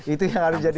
itu yang harus jadi